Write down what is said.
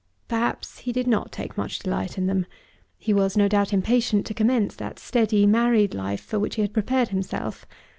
Perhaps he did not take much delight in them. He was no doubt impatient to commence that steady married life for which he had prepared himself.